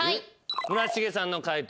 村重さんの解答